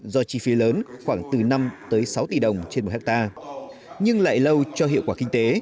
do chi phí lớn khoảng từ năm tới sáu tỷ đồng trên một hectare nhưng lại lâu cho hiệu quả kinh tế